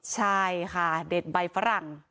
ใช่ค่ะเด็ดใบฝรั่ง